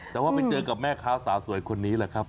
แต่ว่าไปเจอกับแม่ค้าสาวสวยคนนี้แหละครับ